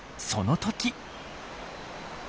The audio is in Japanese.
その時。